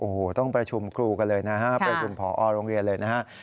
โอ้โหต้องประชุมครูกันเลยนะฮะประชุมพอโรงเรียนเลยนะฮะ